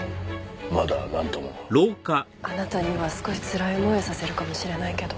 まだなんとも。あなたには少しつらい思いをさせるかもしれないけど。